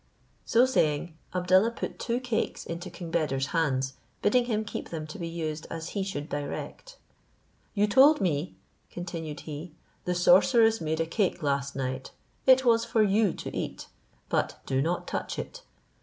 So saying, Abdallah put two cakes into king Beder's hands, bidding him keep them to be used as he should direct. "You told me," continued he, "the sorceress made a cake last night; it was for you to eat; but do not touch it.